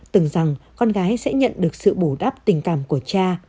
từng rằng con gái sẽ nhận được sự bù đắp tình cảm của cha